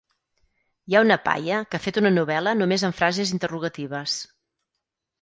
Hi ha una paia que ha fet una novel·la només amb frases interrogatives.